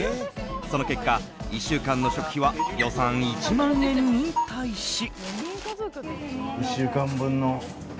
その結果、１週間の食費は予算１万円に対し。